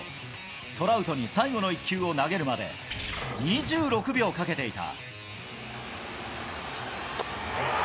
トラウトに最後の一球を投げるまで２６秒かけていた。